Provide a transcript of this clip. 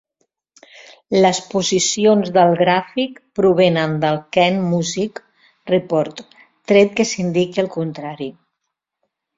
Les posicions del gràfic provenen del Kent Music Report, tret que s'indiqui el contrari.